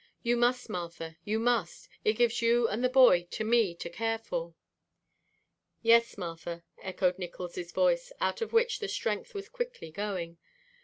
You must, Martha, you must! It gives you and the boy to me to care for." "Yes, Martha," echoed Nickols' voice, out of which the strength was quickly going.